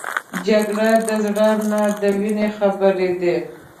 جګړه د زړه نه د وینې خبره ده